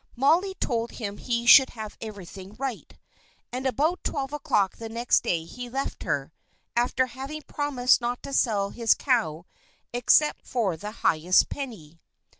Molly told him he should have everything right. And about twelve o'clock the next day he left her, after having promised not to sell his cow except for the highest penny.